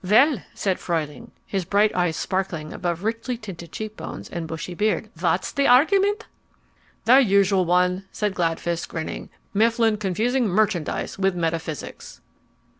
"Well," said Fruehling, his bright dark eyes sparkling above richly tinted cheek bones and bushy beard, "what's the argument?" "The usual one," said Gladfist, grinning, "Mifflin confusing merchandise with metaphysics."